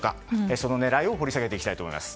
その狙いを掘り下げていきたいと思います。